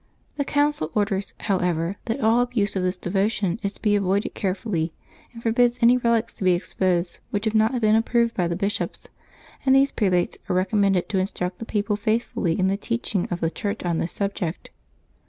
The Council orders, however, that all abuse of this devotion is to be avoided carefully, and for bids any relics to be exposed which have not been approved by the bishops, and these prelates are recommended to instruct the people faithfully in the teaching of the Church on this subject.